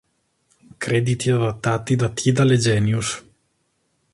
Crediti adattati da Tidal e Genius.